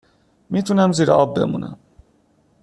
میتونم زیر آب بمونم